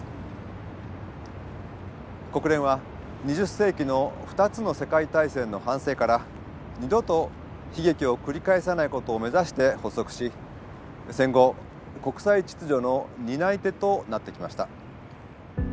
国連は２０世紀の２つの世界大戦の反省から二度と悲劇を繰り返さないことを目指して発足し戦後国際秩序の担い手となってきました。